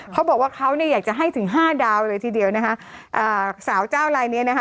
เขาบอกว่าเขาเนี่ยอยากจะให้ถึงห้าดาวเลยทีเดียวนะคะอ่าสาวเจ้าลายเนี้ยนะคะ